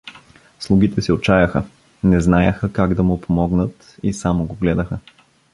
Слугите се отчаяха, не знаяха как да му помогнат и само го гледаха.